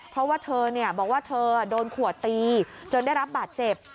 เพราะว่าเธอบอกว่าเธอโดนขวดตีจนได้รับบาดเจ็บ